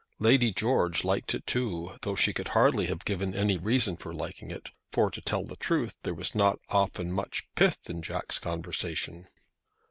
Lady George liked it too, though she could hardly have given any reason for liking it, for, to tell the truth, there was not often much pith in Jack's conversation.